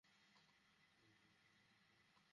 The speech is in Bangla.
আপনি কী মনে করেন আমি ছেড়ে দিব।